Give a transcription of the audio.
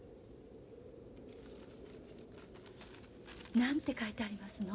何て書いてありますのん？